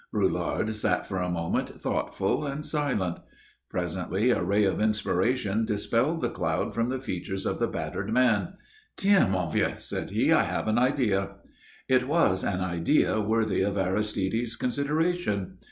Roulard sat for a while thoughtful and silent. Presently a ray of inspiration dispelled the cloud from the features of the battered man. "Tiens, mon vieux," said he, "I have an idea." It was an idea worthy of Aristide's consideration.